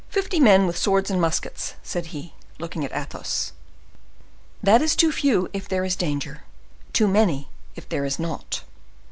"Fifty men with swords and muskets," said he, looking at Athos. "That is too few if there is danger, too many if there is not."